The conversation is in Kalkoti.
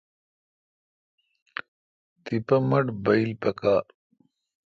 تپہ مٹھ بایل پکار۔